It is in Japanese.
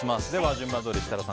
順番どおり、設楽さん